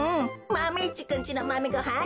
マメ１くんちのマメごはん